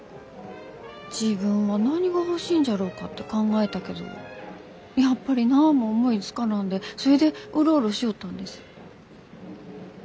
自分は何が欲しいんじゃろうかって考えたけどやっぱり何も思いつかなんでそれでうろうろしょおったんです。